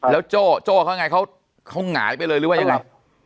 แล้วโจ้เขาไงเขาหงายไปเลยหรือว่ายังไง